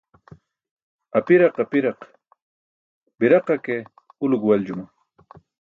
Apiraq apiraq, biraqa ke ulo guwaljuma.